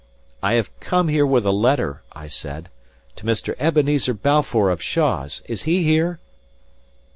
"I have come here with a letter," I said, "to Mr. Ebenezer Balfour of Shaws. Is he here?"